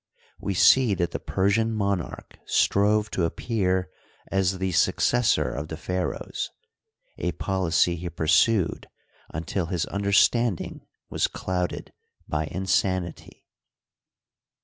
We see that the Persian monarch strove to ap pear as the successor of the pharaohs — a policy he pursued until his understanding was clouded by insanity.